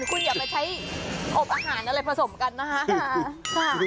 คุณอย่ามาใช้อบอาหารอะไรผสมกันนะคะ